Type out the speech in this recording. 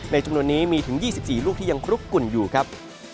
จำนวนนี้มีถึง๒๔ลูกที่ยังคลุกกุ่นอยู่ครับ